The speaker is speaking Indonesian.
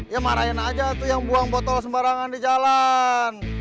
ya marahin aja tuh yang buang botol sembarangan di jalan